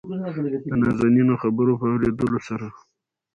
دنازنين خبرو په اورېدلو سره